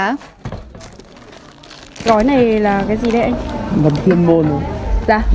tại sao trên này lại ghi là đông trùng hạ thảo ạ